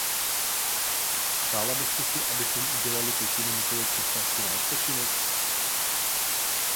Přála byste si, abychom udělali pětiminutovou přestávku na odpočinek?